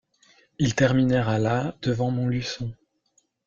Ils terminèrent à la devant Montluçon.